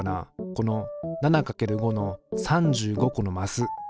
この７×５の３５個のマス。